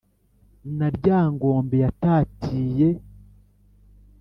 na ryangombe yatatiye,